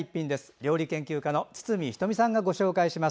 料理研究家の堤人美さんがご紹介します。